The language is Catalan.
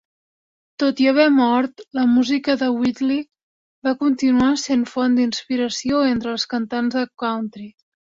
Tot i haver mort, la música de Whitley va continuar sent font d'inspiració entre els cantants de country.